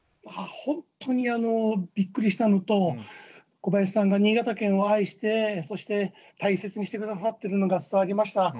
ホントにびっくりしたのと小林さんが新潟県を愛してそして大切にして下さってるのが伝わりました。